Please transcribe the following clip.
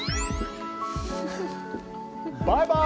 バイバイ！